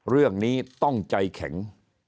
เรื่องนี้ต้องใจแข็ง